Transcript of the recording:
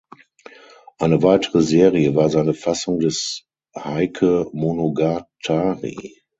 Eine weitere Serie war seine Fassung des Heike monogatari.